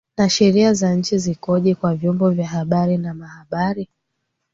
na sheria za nchi zikoje kwa vyombo vya habari na wanahabari